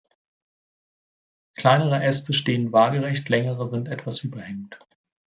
Kleinere Äste stehen waagerecht, längere sind etwas überhängend.